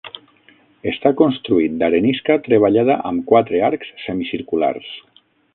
Està construït d'arenisca treballada amb quatre arcs semicirculars.